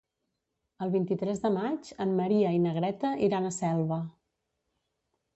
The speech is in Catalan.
El vint-i-tres de maig en Maria i na Greta iran a Selva.